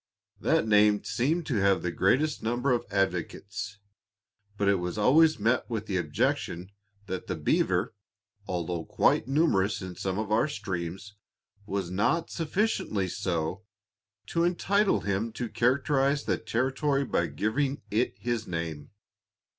That name seemed to have the greatest number of advocates, but it was always met with the objection that the beaver, although quite numerous in some of our streams, was not sufficiently so to entitle him to characterize the territory by giving it his name.